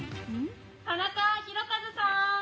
タナカヒロカズさーん。